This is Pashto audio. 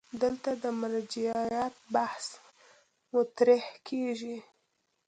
دلته د مرجعیت بحث مطرح کېږي.